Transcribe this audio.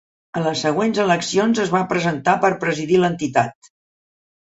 A les següents eleccions es va presentar per presidir l'entitat.